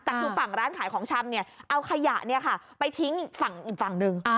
แต่คือฝั่งร้านขายของชำเอาขยะไปทิ้งฝั่งอีกฝั่งหนึ่ง